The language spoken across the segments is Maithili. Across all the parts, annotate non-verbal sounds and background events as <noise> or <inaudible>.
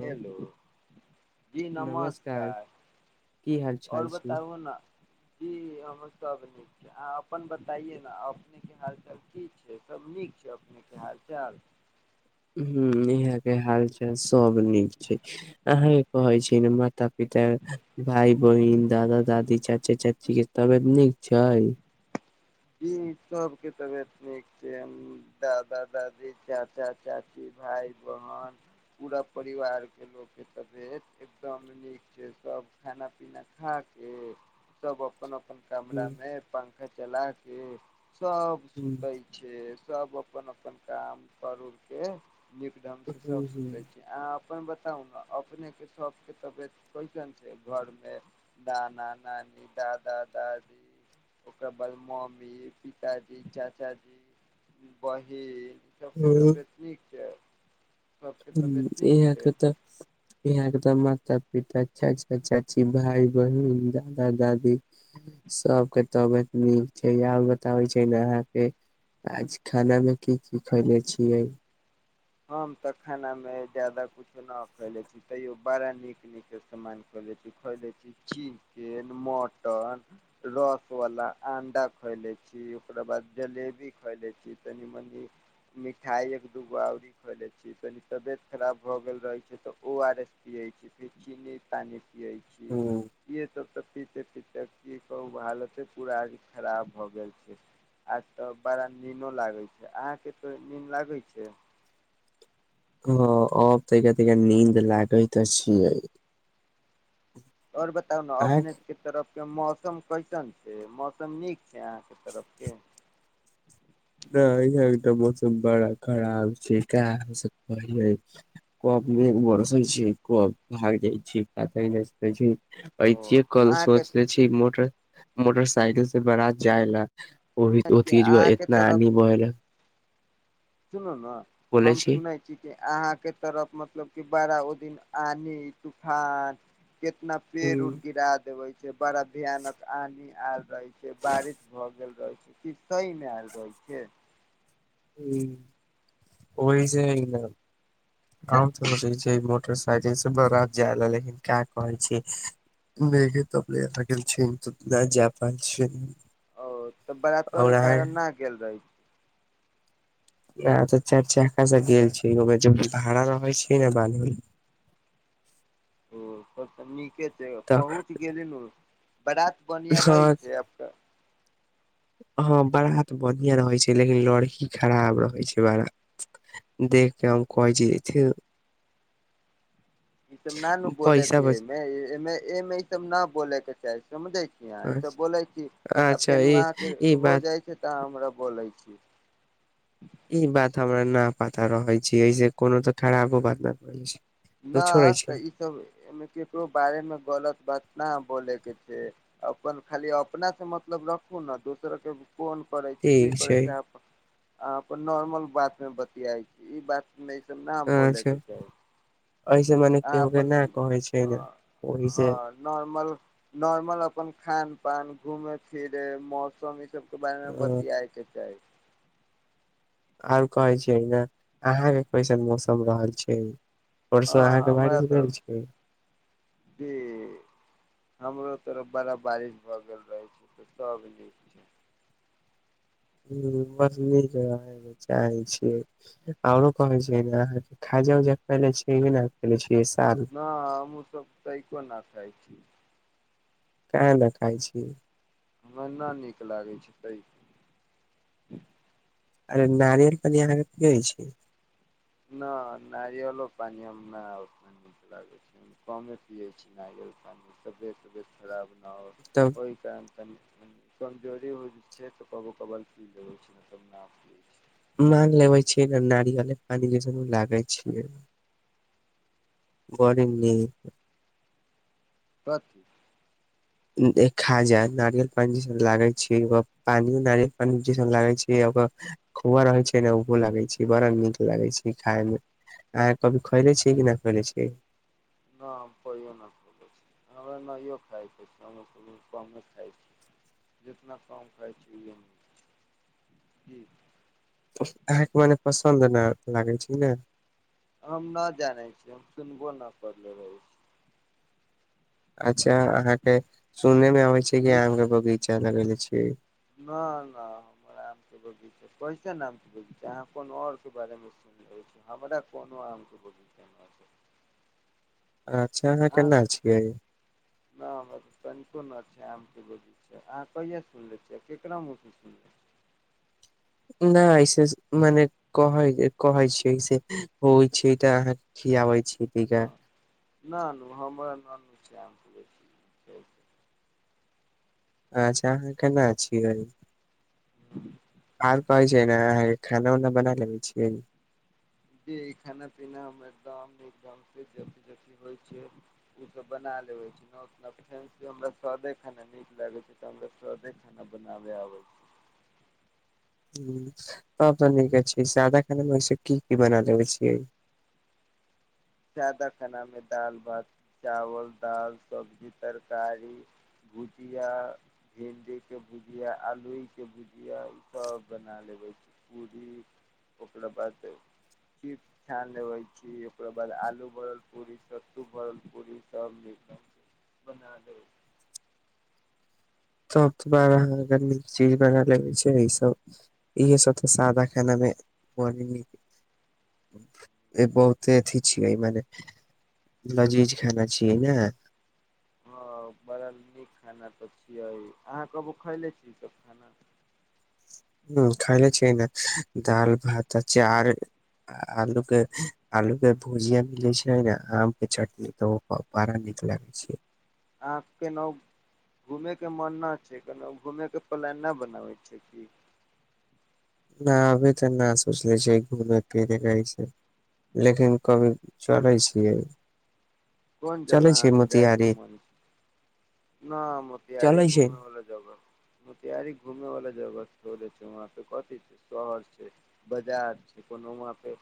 हेलो, जी नमस्कार, की हाल और चाल छी बताबु ने, कि हम सब, अहां अपन बताइए ने अपनेके हालचाल की छै, सभ नीक छै अपनेके हाल चाल। हां, इहां के हाल चाल सब नीक छै, अहांके कहै छी ने माता पिता, भाय बहिन, दादा दादी, चाचा चाची के तबियत नीक छै? हुं, सब के तबियत नीक छै, दादा दादी, चाचा चाची, भाय बहन, पुरा परिवार के तबियत एकदम नीक छै, सब खाना पीना खा के सब अपन अपन अपन हम्म, कमरामे बंद चलाके के सब हम्म, सुतै छै। सब अपन अपन काम कर उरके नीक ढंग से सब हम्म, सुतै छै, अहां अपन बताउ ने, अपने के सब के तबियत कैसन छै, घर मे नाना नानी, दादा दादी ओकरा बाद मे ममी मी पिताजी, चाचाजी, बहिन सब के तबियत ठीक क छै? सबके तबियत हुं, नीक छै इहांके त, इहांके त मा माता पिता, चाचा चाची, भाय बहिन, दादा दादी सब के तबियत नीक छै। आब बताबे छै ने अहांके आज खाना मे की की खयले छियै? हम त खाना मे जादा कुछो न खैले छी, तैयो बड़ा नीक नीक समान खैले छी, चिकेन, मटन, रस वला अंडा खएले छी। ओकरा बाद जलेबी खएले छी, तनी मनी मिठाई एक दूगो और खैले छी, तनी तबियत खराब भ गेल रहै छै त ओ आर एस पियै छी, फेर चीनी पानी पियै छी। ह त तऽ पीते पीते की कहू, हालते पूरा खराब भऽ गेल छै, आज तऽ बड़ा नींदो लागै छै, अहाँके तो नीन्द लागे छै। हँ, अब तऽ क त नींन्द लागैत छियै। आर बताउ ने अपने के तरफ के मौसम कैसन छै, मौसम नीक यहाँ के तरफ के त इधर के मौसम बड़ा खराब छै, का से कहियए कब बरस छै, कब भाग जाइ छै पता नई चलइत छै। अऐ ओ जे कल अहाँके सोचले छी मोट मोटरसाइकिल से बारात जाएला ओ भी ओ तीज अहाँके तानी बहल सुन न हम सुनै छी कि अहाँके तरफ मतलब कि बड़ा आ तूफान कितना पेड़ उड़ गिरा देबै बड़ा भयानक आानी आयल रहे छै, बारिश भऽ गेल रहे छै, किछ सही नहि आयल रहैत छै। ह, ओहि छै हन काम तऽ छै मोटर् बजय से बरात जाए ला लेकिन क कहै छी, नेगे त बलाय लग छै, त ना जा प छै। ओ तऽ बरातोवा के कारण नहि गेल रही। आ तऽ चार च खासा गेल छै, ओहिमे ज भाड़ा रहै छै ने बालल ओ तब त नीके छै, तऽ पहुच गेलल न। बरात बनिया रहै ह छै अब तक हँ बरात तऽ बढ़ििया रहै छै, लेकिन लड़की खराब रहै छै बड़ा, देख के हम कह जथि ई सब न न बोलके मे ए मे ई सब न बोलके चाही। समझे छी अह, ई सब बोले छी आ अच्छा फेन ई अहाँ के ई हो बात जाइ छै तऽह हमरा बोले छी। <unintelligible> ई बात हमरा न पताा रहै छी, एहि जे कोनो तऽ खराबो बात नहि पैछै न तऽ ई सबमे केकरो बारे मे गलत बात न बोलेके से अपन खाली अपना सँ मतलब रखू ने दोसर के कोन करै छै, की करै छै आप अहाँ अपन नॉर्मल बात मे बतियाइ छी ई बात नई सब ना बोले के अच्छा चाही। ऐसे मने अाँ केहू के अपन न कहै छै ने ओहि से हँ नॉर्मल नॉर्मल अपन खान ान घूमे फिरे मौसम सब के बारे मे बतय के चाही। आओर कहै छियै न, अहाँ के कैसन मौसम रहल छै। आओरस हँ अहाँके बाज हमरा भेल तरफ छै। भी हमरो तरफ बड़ा बारिश भए गेल रहे छै तऽ सब नीक छै। ह बस नीक रहे चाहे छी आरो कहै छै अहाँ खाजा उजा खले छ नेे छी। न हमू सब तैको न खाय। ठ। कल खाइ छी हमरा नहि नीक लागै छै तै। अरे नारियल पनी यहाँ हो छै। न नारियल पान हम अ नीक लागे छै क पिय छी नारियलान खराब तब आओर ओहि टाइम कमजोरी हो छै तऽ कबो कबल पी लबे छैलब नाप पियै छै। मांग लेबे छियै नारियले पानि जस लागै छियै बड़ नीक। कथ एक खाजा नारियल पानि जसन लागै छै ओकर पानिओ नारियल पानि जसन लागै छै ओकर खोआ रहै छै ने ओहो लागै छै बड़ा नीक लागै छै खायमे अहाँ कभी खैले छियै कि नहि खैले छियै। न हम कोइो न खोले छै नो खाय छै क खाय छै जेितना कम खाय छै जी अहाँके मने पसन्द नहि लागै छै ने। हम नहि जानै छिय हम सुनबो नहि करले रहै छी। अच्छा। छा अहाँ के सुने मे आबे छै कि मीठ आम के बगीचा लगले जी। न नहि हमरा आम के बगीचा कैसन आम के बगीचा अहाँ कोनो आर के बारेमे सुन ले छी हमरा कोनो आम के बगीचा न छै अच्छा अहाँ केना छियै। न हमरा तऽ तनिको न के बज छ अहाँ कहिआ सुनले छियै केकरा म सुनले नहि ऐसे मने कह कहै छियै से होइ छै तऽ अहाँके खियाबै छी टीका न नू हमरा न न। शाम। अच्छा अहाँ केना छियै आर कहै छै ने अहाँके खाना उना बना लेै छियै। जी ई खाना पीना एकद होइ छै ओ सब बना ले से खाना नीक लागे छै हमरा सादे खाना बनावे आबे छै। ह तब तऽ नीके छै सादा खाना मेस की की बना लबै छियै। जाादा खाना मे दाल भात चावल दाल सब्जी तरकारी भुजिया भिण्डी के भुजिया आलू के भुजिया ई सब बना लेबे छी पूरी ओकरा बाद चिप छानि लेबे छी ओक। आलू भरल पूरी सत्तू भरल पूरी सब बना द। तब बार अहाँ अगर नीक चीज बना लेगै छै ई सब इहे सब तऽ सादा खाना मे न बहुते अथी छियै मने लजीज खाना छियै ने। हँ बड़ा नीक खाना तऽ छियै अहाँ कहबू खयले छीसभ खाना ह खायले छियै ने दालि भात अ चार आलू के आलू के भुजिया मिलै छै ने आम के चटनी तऽ ओ बड़ा नीक लागैत छै। अहाँ केनाहु घूमेके मन नहि छै केना घूमेयके प्लान नहि बनाबै छै क नहि अभी तऽ नहि सोच लै छिय घूमै फिरैकेइसे लेकिन कभी चलै छियै। कोन जगह चले छै अहाँके जाय त मोतिहारी मन न मोतिहारी चले छै घूमे वाला जगह मोतिहारी घूमे वाला जगह े छै व पे कथ छै शहर छै बजार छै कोनो व पे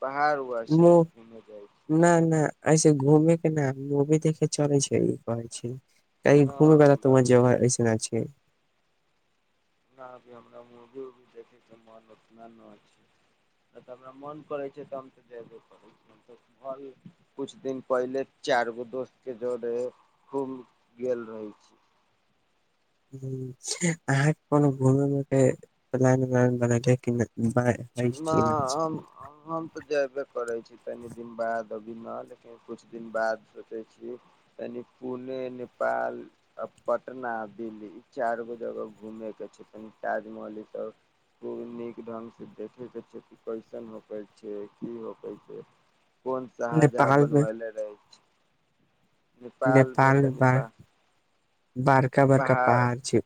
पहाड़ उहाड़ छै कि घूमे जाइ छै न नहि ऐसे घूमे नहि मुभी देखे चल छै ई कह छै। त न घुम बला हमरा तोर जगह अऐसन छै। हमना अभी हमरा मूवी उवी देखैके मन उतना नहि छै नहि तऽ हमरा मोन करै छै तऽ हम तऽ जयबे करै छी हम तऽ घर किछु दिन पहिले चारि गो दोस्तके जोरे घूब गेल रहै छी। ह अहाँके कोनो घुम उ के प्लान उल बनेलियै कि नहि हम तऽ जयबे करे छी तनि दिन बाद की न लेकिन कुछ दिन बाद सोचे छी कनि पुणे नेपाल पटना दिल्ली ई चार गो जगह घूमे के छै कनि ताजमहल ई सब नीक ढंग से देख कइसन होै छै की होकै छै। कोन सा हजा नेपाल मे बनवल रहै छै। नेपालमे तऽ नेपाल बारका बड़का पहाड़ छै।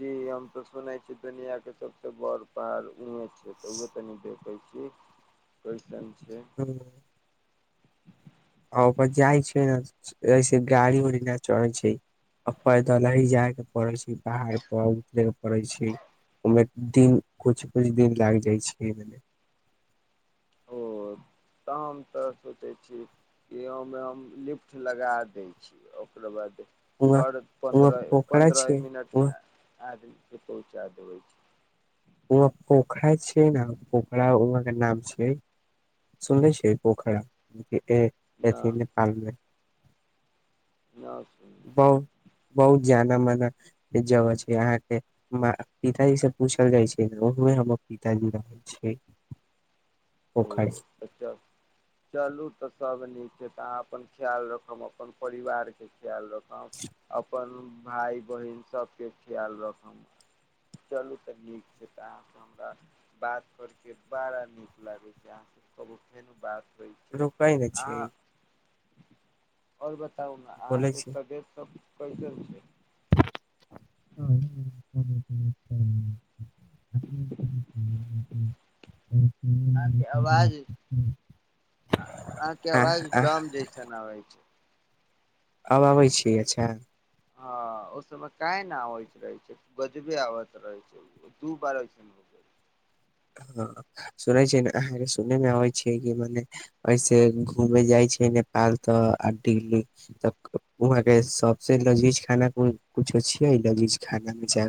जी हम तो सुनेै छीै दुनिया के सबसे बड़ पहाड़ू छै त उ तनि दे। कै कैस। सेन छै। आ ओप जाइ छियै ने से गाड़ी उड़ी नहि चढ़ै छै आ पैदल ही जाय के पड़ै छै बाहर पर उतरे के पड़ै छै ओहिमे दिन कुछ कुछ दिन लागि जाइ छै। त हम तऽ सोचे छी कि ओमे हम लिफ्ट लगा देै छी ओकररा बाद उहा हर उहा पन्द्रह पोखरा पन्द्रह छै मिनट उहा मे। आद प छै आद होइ छै। वहाँ पोखरा छिय ने पोखरा वह के नाम छिय सुने छियै पोखरा न थिपालालमे य। बहुत बहुत जाना माना जगह छै अहाँके पिताजी से पूछल जाइ छै ने ओहोमे हमर पिताजी रहै छै। ओ पोखरि अच्छा चालू तऽ साावन से तऽ अहाँ अपन ख्याल रखब अपन परिवारके लोक अपन भाय बहिन सबके ख्याल राखू चलू तऽ नीक छै तऽ अहाँ से हमरा बात करके बड़ा नीक लागै छै अहाँ सब कहू फेर बात होइ छै रुकै नहि छियै। अहाँ आओर बता बोलै अहाँके छै सदे सब। पैसे हो छै। अहाँके आवाज अहाँके ह। आवाज आ आ। डम जैसन आबै छै आब आबै छियै, अचा हां, ओहि समय काहे नै आबैत रहै छै, गजबे आबैय रहै छै हां, सुनै छियै ने अहांके सुनै मे अबै छै कि मने ऐसे घुमे जाइ छै नेपाल त आ दिल्ली त उहां के सबसे लजीज खाना कुछो छियै लजीज खाना मे जा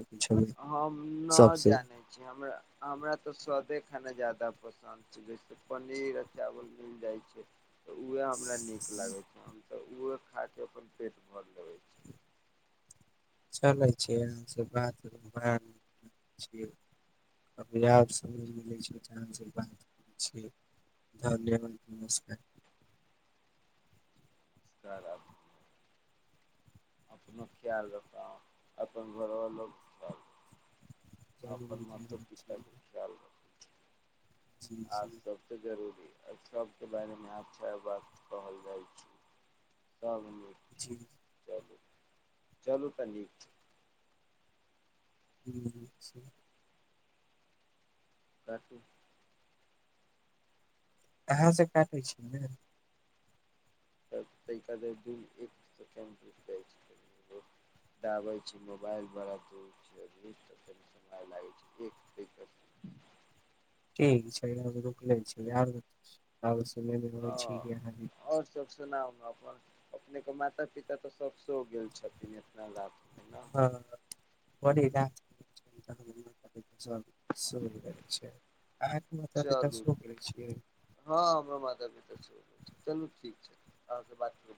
हम नहि जानै छीरा हमरा त। े खाना जादा पसन्द छै जैसे पनीर आ चावल मिल जाइ छै। तऽ उहे हमरा नीक लागे छै। त उ और खा क अपन पेट भर लबै छी। चलै छै इहां से बात आब समय मिलै छै तं बात करै छी, धन्यवाद नमस्कार। चर अपनो खयाल राखु और अपन घरवालो के खयाल राखु। अपन माता पिता के खयाल राखु। आज सबसे जरूरी। एहि सबके बारेमे अच्छा बात कहल जाइ छै, सब जी। चलु तनी। हुं जी। राखु। अहां सब काटै छी ने। त तहि खातिर दिन एक सेकेण्ड रुकि जाइ छै दाबै छै मोबाइल बड़ा दूर छै दू त कनि समय लागै छै एक त ठीक छै और रुकले छी आर भ होइ छी अहां कि वाह, अपने के माता पिता त सब सेहो गेल छथिन इतना लाभ हां। <unintelligible> सब गेल छै, अहांके माता-पिता चलू सेहो गेल छै। हँ हमरा माता अहां से बातचीत